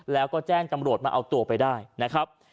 แล้วก็แจ้งตำรวจมาเอาตัวไปได้นะครับ